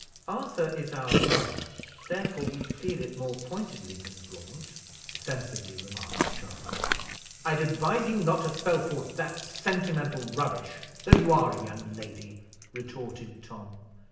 "Arthur is our brother, therefore we feel it more pointedly than Gaunt," sensibly remarked Charley. "I'd advise you not to spell forth that sentimental rubbish, though you are a young lady," retorted Tom.